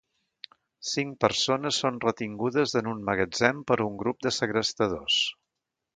Cinc persones són retingudes en un magatzem per un grup de segrestadors.